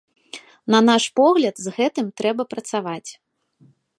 На наш погляд, з гэтым трэба працаваць.